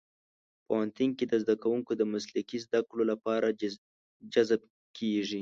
پوهنتون کې زدهکوونکي د مسلکي زدهکړو لپاره جذب کېږي.